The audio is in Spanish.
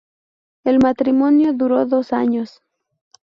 El matrimonio duró dos años.